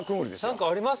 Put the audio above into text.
何かありますよ。